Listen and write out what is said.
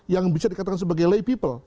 yang bisa dikatakan sebagai lay people